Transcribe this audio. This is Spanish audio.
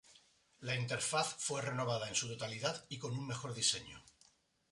La interfaz fue renovada en su totalidad y con un mejor diseño.